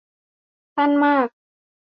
สั้นมาก